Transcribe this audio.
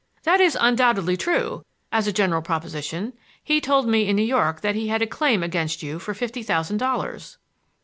"That is undoubtedly true, as a general proposition. He told me in New York that he had a claim against you for fifty thousand dollars."